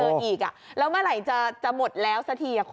ถ้าเจออีกแล้วเมื่อไหร่จะหมดแล้วสักทีอ่ะคุณ